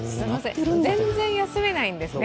全然休めないんですね、